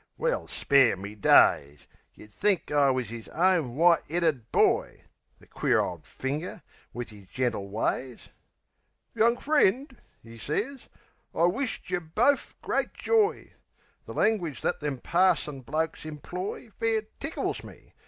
Well, spare me days! Yeh'd think I wus 'is own white 'eaded boy The queer ole finger, wiv 'is gentle ways. "Young friend," 'e sez, "I wish't yeh bofe great joy." The langwidge that them parson blokes imploy Fair tickles me.